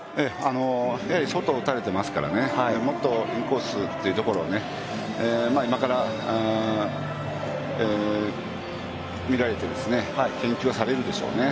やはり外を打たれていますから、もっとインコースというところを今から見られて、研究はされるでしょうね。